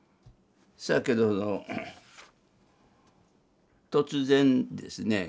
そやけど突然ですね